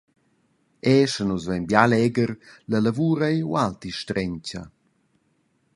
Era sche nus vein bia legher, la lavur ei ualti strentga.